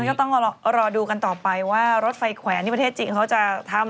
ก็ต้องรอดูกันต่อไปว่ารถไฟแขวนที่ประเทศจีนเขาจะทำ